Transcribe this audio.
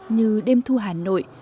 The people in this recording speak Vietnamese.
như đêm thu hà nội